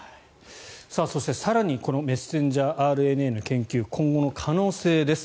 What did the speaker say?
そして、更にこのメッセンジャーＲＮＡの研究今後の可能性です。